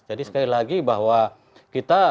jadi sekali lagi bahwa kita